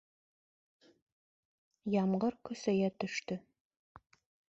Ямғыр көсәйә төштө.